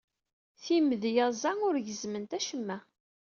Timedyaẓ-a ur gezzment acemma.